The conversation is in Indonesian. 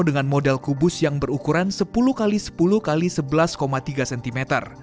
dengan model kubus yang berukuran sepuluh x sepuluh x sebelas tiga cm